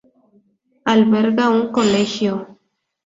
Albergaba un colegio.